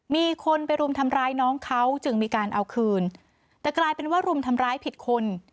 มีคนไปรุมทำร้ายน้องเขาจึงมีการเอาคืนแต่กลายเป็นว่ารุมทำร้ายผิดคน